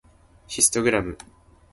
ヒストグラム